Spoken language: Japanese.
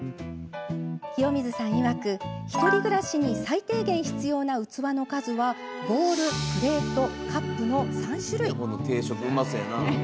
清水さんいわく、１人暮らしに最低限必要な器の数はボウル、プレート、カップの３種類。